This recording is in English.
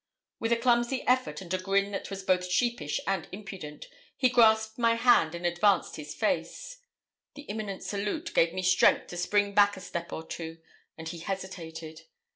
With a clumsy effort, and a grin that was both sheepish and impudent, he grasped my hand and advanced his face. The imminent salute gave me strength to spring back a step or two, and he hesitated.